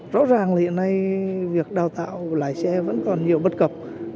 rõ ràng là hiện nay việc đào tạo lái xe vẫn còn nhiều bất cập